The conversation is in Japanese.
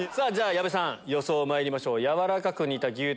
矢部さん予想まいりましょう。